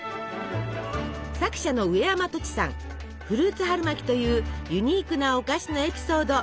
作者のフルーツ春巻きというユニークなお菓子のエピソード